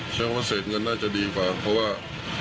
ใช้ความเศษเงินน่าจะดีกว่า